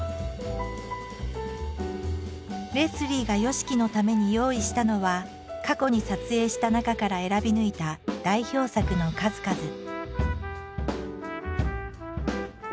レスリーがＹＯＳＨＩＫＩのために用意したのは過去に撮影した中から選び抜いた代表作の数々。